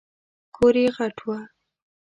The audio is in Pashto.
کور یې غټ و .